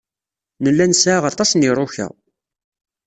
Nella nesɛa aṭas n yiruka.